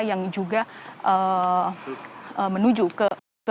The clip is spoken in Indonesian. yang juga menuju ke